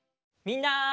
みんな！